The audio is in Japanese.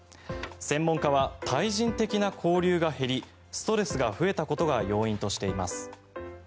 専門家は対人的な交流が減りストレスが増えたことが要因としています。